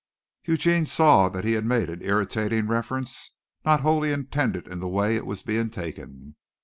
Eugene saw that he had made an irritating reference, not wholly intended in the way it was being taken.